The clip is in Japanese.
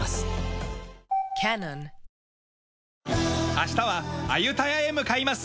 明日はアユタヤへ向かいます。